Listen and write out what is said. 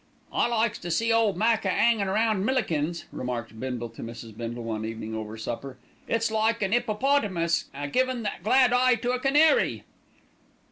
"I likes to see ole Mac a 'angin' round Millikins," remarked Bindle to Mrs. Bindle one evening over supper. "It's like an 'ippopotamus a givin' the glad eye to a canary."